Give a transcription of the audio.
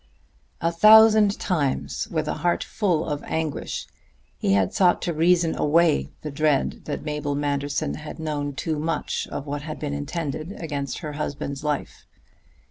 A thousand times, with a heart full of anguish, he had sought to reason away the dread that Mabel Manderson had known too much of what had been intended against her husband's life.